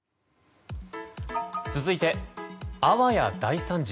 続いてあわや大惨事。